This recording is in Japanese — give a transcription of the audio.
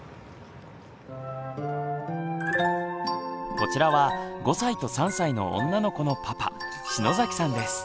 こちらは５歳と３歳の女の子のパパ篠崎さんです。